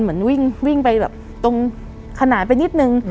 เหมือนวิ่งไปแบบตรงขนาดไปนิดนึง